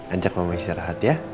ajak mama istirahat ya